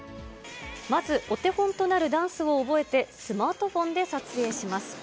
まず、お手本となるダンスを覚えて、スマートフォンで撮影します。